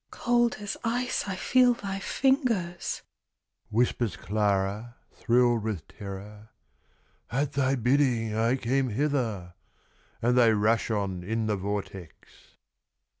"Cold as ice I feel thy fingers," Whispers Clara, thrilled with terror. "At thy bidding I came hither." And they rush on in the vortex.